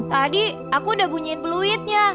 tadi aku udah bunyiin peluitnya